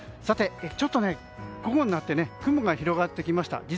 ちょっと午後になって雲が広がってきました。